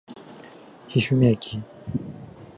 十三駅